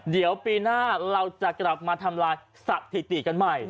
เดี๋ยวปีหน้าเราจะกลับมาทำลายสถิติกันใหม่